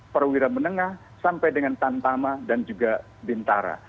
perwira menengah sampai dengan tantama dan juga bintara